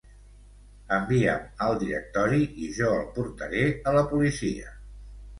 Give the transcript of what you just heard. Envia'm el directori i jo el portaré a la policia.